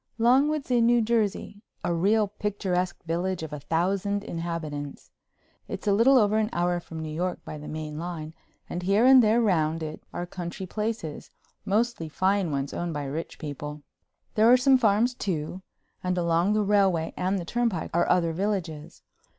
Longwood's in New Jersey, a real picturesque village of a thousand inhabitants. It's a little over an hour from New York by the main line and here and there round it are country places, mostly fine ones owned by rich people. There are some farms too, and along the railway and the turnpike are other villages.